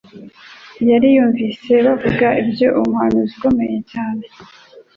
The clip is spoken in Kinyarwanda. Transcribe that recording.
Yari yammvise bavuga iby'umuhariuzi ukomeye cyane,